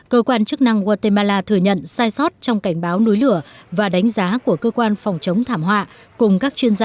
cơ quan chức năng guatemala thừa nhận sai sót trong cảnh báo núi lửa và đánh giá của cơ quan phòng chống thảm họa